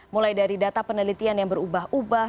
mulai dari data penelitian yang berubah ubah